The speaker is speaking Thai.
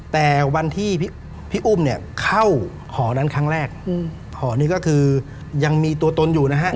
แต่วันที่พี่อุ้มเนี่ยเข้าหอนั้นครั้งแรกหอนี้ก็คือยังมีตัวตนอยู่นะฮะ